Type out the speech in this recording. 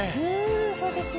そうですね。